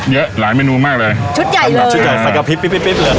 เยอะหลายเมนูมากเลยชุดใหญ่เลยชุดใหญ่สักกับพริบพริบพริบเลย